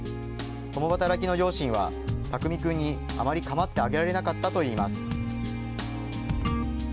共働きの両親は、巧君にあまりかまってあげられなかったといいます。